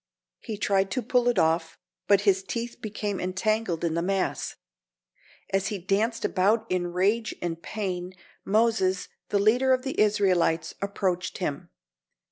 He tried to pull it off, but his teeth became entangled in the mass. As he danced about in rage and pain, Moses, the leader of the Israelites, approached him.